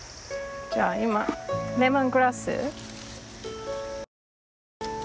じゃあ今レモングラス。